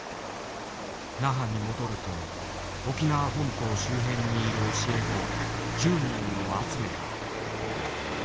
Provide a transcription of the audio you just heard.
那覇に戻ると沖縄本島周辺にいる教え子１０人を集めた。